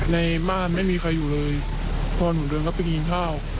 ในบ้านไม่มีใครอยู่เลยพ่อหนูเดินเข้าไปกินข้าว